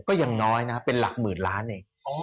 ก็ยังน้อยนะเป็นหลักหมื่นล้านเอง